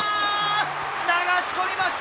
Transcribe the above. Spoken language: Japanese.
流し込みました！